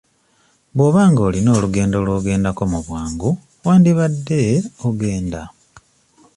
Bw'oba nga olina olugendo lw'ogendako mu bwangu wandibadde ogenda.